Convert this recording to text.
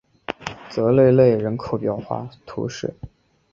索泽勒人口变化图示